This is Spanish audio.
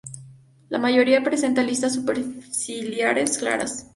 La mayoría presentan listas superciliares claras.